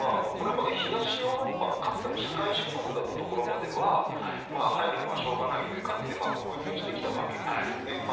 これまで東ヨーロッパのかつての社会主義国だったところまでは入るのはしょうがないということで黙認してきたわけですね。